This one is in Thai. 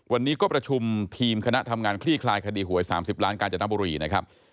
วันนี้ก็ประชุมทีมคณะทำงานคลี่คลายคดีหวย๓๐ล้านกาญจนบุรีนะครับ